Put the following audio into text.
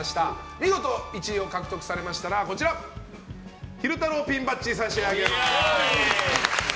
見事１位を獲得されましたら昼太郎ピンバッジを差し上げます。